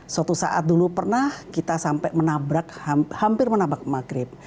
suatu saat dulu pernah kita sampai menabrak hampir menabrak maghrib